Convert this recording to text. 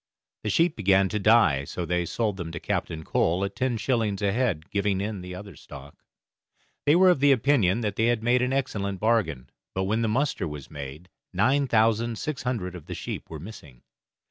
The sheep began to die, so they sold them to Captain Cole at ten shillings a head, giving in the other stock. They were of the opinion that they had made an excellent bargain, but when the muster was made nine thousand six hundred of the sheep were missing.